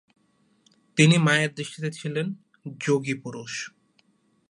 তিনি মায়ের দৃষ্টিতে ছিলেন 'যোগিপুরুষ'।